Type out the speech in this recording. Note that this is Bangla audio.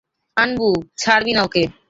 আনবু, ছাড়বি না ওকে।